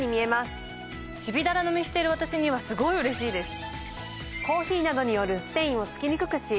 ちびだら飲みしている私にはすごいうれしいです。